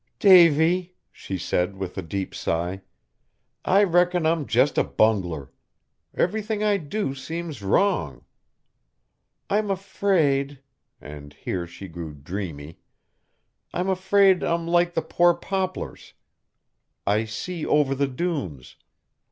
"Davy," she said with a deep sigh, "I reckon I'm just a bungler. Everything I do seems wrong. I'm afraid," and here she grew dreamy, "I'm afraid I'm like the poor poplars. I see over the dunes.